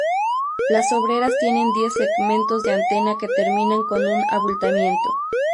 Las obreras tienen diez segmentos de antena que terminan con un abultamiento.